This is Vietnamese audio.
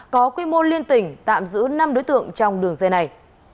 có quy mô liên tỉnh tạm giữ năm đối tượng trong đường dây này